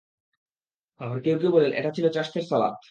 আবার কেউ কেউ বলেন, এটা ছিল চাশতের সালাত।